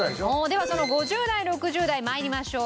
ではその５０代６０代参りましょう。